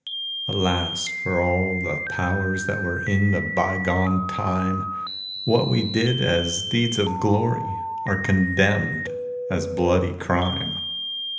Alas for all the powers that were in the by gone time. What we did as deeds of glory are condemned as bloody crime.